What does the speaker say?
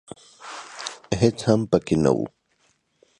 هېڅ هم پکښې نه و .